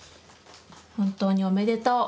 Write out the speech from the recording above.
本当におめでとう」。